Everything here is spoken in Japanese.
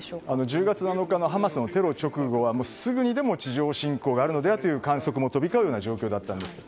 １０月７日ハマスのテロ直後はすぐにでも地上侵攻があるのではという観測も飛び交う状況だったんです。